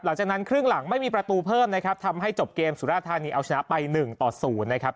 หลังจากนั้นครึ่งหลังไม่มีประตูเพิ่มนะครับทำให้จบเกมสุราธานีเอาชนะไป๑ต่อ๐นะครับ